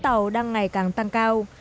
các tàu đang ngày càng tăng cao